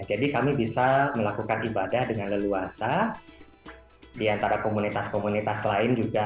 jadi kami bisa melakukan ibadah dengan leluasa di antara komunitas komunitas lain juga